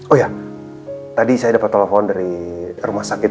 oh ya tadi saya dapat telepon dari rumah sakit